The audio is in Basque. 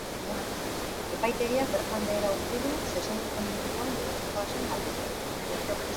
Epaitegiak bertan behera utzi du zezenketen inguruan egitekoa zen galdeketa.